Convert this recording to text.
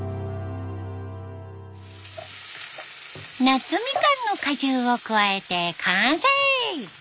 夏みかんの果汁を加えて完成。